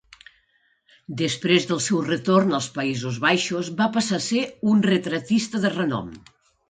Després del seu retorn als Països Baixos, va passar a seu un retratista de renom.